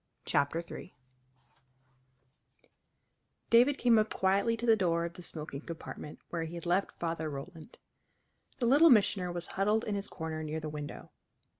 CHAPTER III David came up quietly to the door of the smoking compartment where he had left Father Roland. The Little Missioner was huddled in his corner near the window.